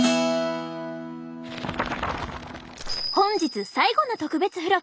本日最後の特別付録。